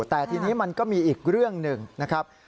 แต่ทีนี้มันก็มีอีกเรื่องหนึ่งนะครับ